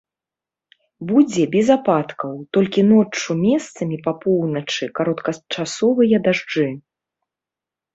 Будзе без ападкаў, толькі ноччу месцамі па поўначы кароткачасовыя дажджы.